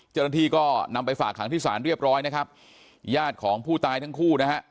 เจ้าหน้าที่ก็นำไปฝากขังที่ศาลเรียบร้อยนะครับญาติของผู้ตายทั้งคู่นะฮะ